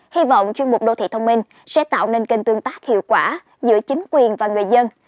hy vọng chuyên mục đô thị thông minh sẽ tạo nên kênh tương tác hiệu quả giữa chính quyền và người dân